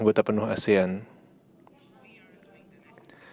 kita akan berjalan ke asean untuk menjadi anggota penuh asean